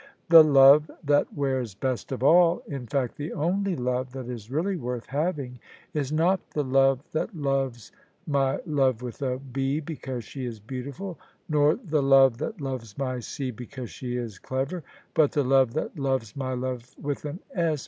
The love that wears best of all — in fact the only love that is really worth having — is not the love that loves my love with a B. because she is beautiful, nor the love that loves my C. because she is clever: but the love that loves my love with an S.